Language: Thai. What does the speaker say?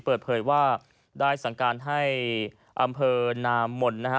เปิดเผยว่าได้สั่งการให้อำเภอนามนนะฮะ